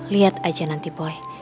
lihat aja nanti boy